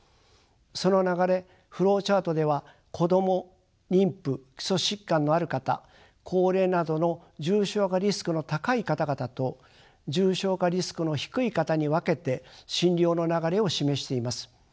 その流れフローチャートでは子供妊婦基礎疾患のある方高齢などの重症化リスクの高い方々と重症化リスクの低い方に分けて診療の流れを示しています。